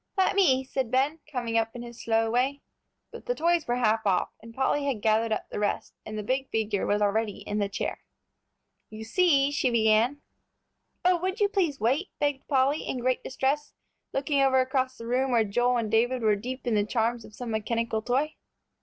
"Let me!" said Ben, coming up in his slow way. But the toys were half off, and Polly had gathered up the rest, and the big figure was already in the chair. "You see," she began "Oh, would you please wait?" begged Polly, in great distress, looking over across the room where Joel and David were deep in the charms of some mechanical toy.